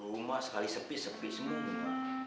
rumah sekali sepi sepi semua